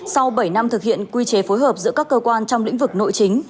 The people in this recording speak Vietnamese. sau bảy năm thực hiện quy chế phối hợp giữa các cơ quan trong lĩnh vực nội chính